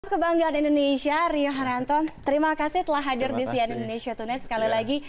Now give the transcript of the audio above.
kebanggaan indonesia rio haryanton terima kasih telah hadir di sian indonesia tonight sekali lagi